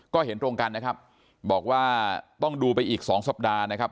ก็เห็นตรงกันนะครับบอกว่าต้องดูไปอีก๒สัปดาห์นะครับ